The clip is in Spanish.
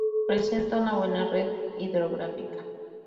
Presenta una buena red hidrográfica.